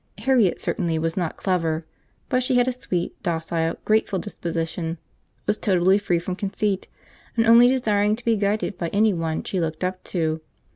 Harriet certainly was not clever, but she had a sweet, docile, grateful disposition, was totally free from conceit, and only desiring to be guided by any one she looked up to.